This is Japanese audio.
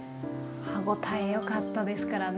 歯応えよかったですからね